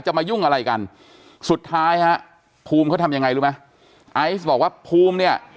มายุ่งอะไรกันสุดท้ายฮะภูมิเขาทำยังไงรู้ไหมไอซ์บอกว่าภูมิเนี่ย